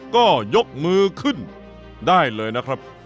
ก็ยกมือขึ้นได้เลยนะครับ